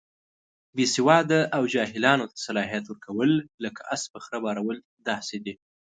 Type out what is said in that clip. بې سواده او جاهلانو ته صلاحیت ورکول، لکه اس په خره بارول داسې دي.